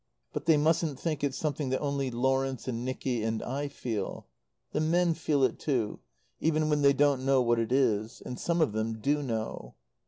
But they mustn't think it's something that only Lawrence and Nicky and I feel. The men feel it too, even when they don't know what it is. And some of them do know.